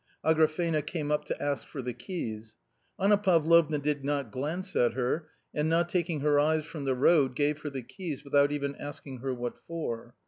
Agrafena came up to ask for the keys. Anna Pavlovna did not glance at her, and not taking her eyes from the road gave her the keys without even asking her what for.